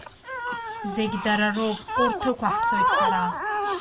Зегь дарароуп, урҭ ықәаҳцоит ҳара…